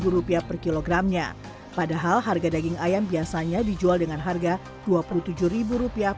rupiah per kilogramnya padahal harga daging ayam biasanya dijual dengan harga dua puluh tujuh rupiah